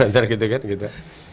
ntar gitu kan gitu